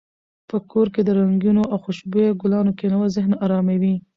په کور کې د رنګینو او خوشبویه ګلانو کښېنول ذهن اراموي.